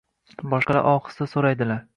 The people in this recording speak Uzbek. Boshqalar ohista so‘raydilar.